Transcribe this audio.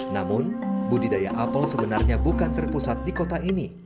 namun budidaya apel sebenarnya bukan terpusat di kota ini